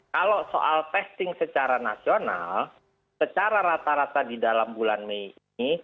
kalau soal testing secara nasional secara rata rata di dalam bulan mei ini